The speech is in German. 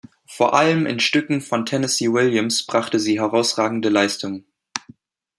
Vor allem in Stücken von Tennessee Williams brachte sie herausragende Leistungen.